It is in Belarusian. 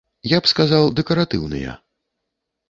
Я б сказаў, дэкаратыўныя.